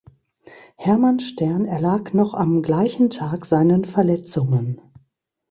Hermann Stern erlag noch am gleichen Tag seinen Verletzungen.